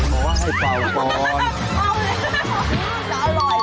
บอกว่าให้เปล่าก่อนเอาเลยครับพอร้อน